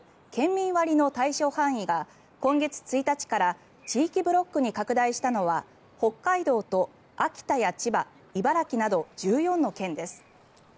県民割の対象範囲が今月１日から地域ブロックに拡大したのは北海道と秋田や千葉、茨城など１４の県です。